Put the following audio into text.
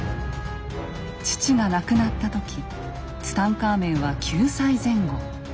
父が亡くなった時ツタンカーメンは９歳前後。